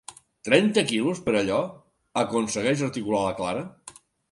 Trenta quilos per allò? —aconsegueix articular la Clara.